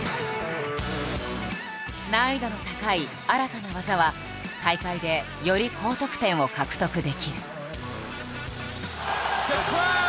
難易度の高い新たな技は大会でより高得点を獲得できる。